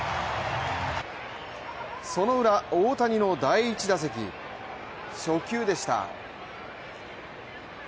そのウラ、大谷第１打席、初球でした。